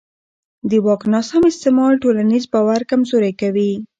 د واک ناسم استعمال ټولنیز باور کمزوری کوي